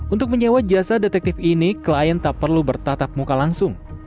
untuk menyewa jasa detektif ini klien tak perlu bertatap muka langsung